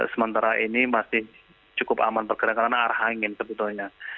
sementara ini masih cukup aman pergerakan karena arah angin sebetulnya